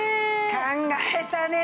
考えたね！